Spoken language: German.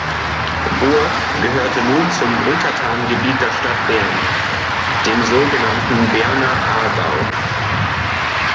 Burg gehörte nun zum Untertanengebiet der Stadt Bern, dem so genannten Berner Aargau.